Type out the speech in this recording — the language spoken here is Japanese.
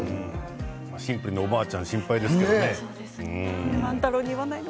シンプルに、おばあちゃん心配ですけれどもね。